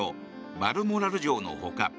バルモラル城の他